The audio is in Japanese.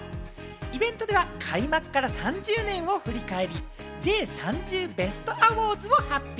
イベントでは開幕から３０年を振り返り、Ｊ３０ベストアウォーズを発表。